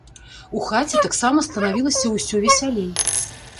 У хаце таксама станавілася ўсё весялей.